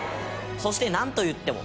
そしてなんといっても。